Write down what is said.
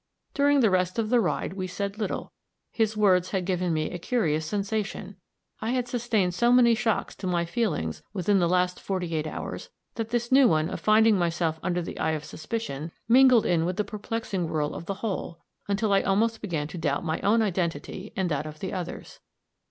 During the rest of the ride we said little; his words had given me a curious sensation; I had sustained so many shocks to my feelings within the last forty eight hours, that this new one of finding myself under the eye of suspicion, mingled in with the perplexing whirl of the whole, until I almost began to doubt my own identity and that of others.